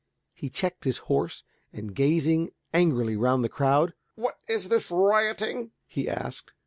He checked his horse and, gazing angrily round the crowd, "What is this rioting?" he asked.